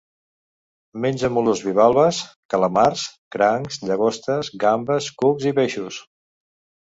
Menja mol·luscs bivalves, calamars, crancs, llagostes, gambes, cucs i peixos.